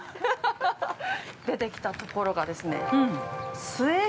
出てきたところがですね。